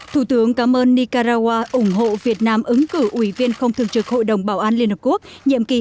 thủ tướng cảm ơn nicaragua ủng hộ việt nam ứng cử ủy viên không thường trực hội đồng bảo an liên hợp quốc nhiệm kỳ hai nghìn hai mươi hai nghìn hai mươi một